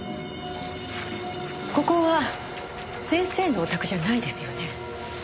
ここは先生のお宅じゃないですよね？